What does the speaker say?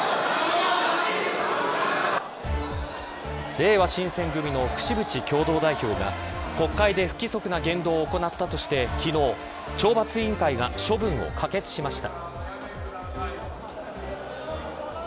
れいわ新選組の櫛渕共同代表が国会で不規則な言動を行ったとして昨日、懲罰委員会が処分を可決しました。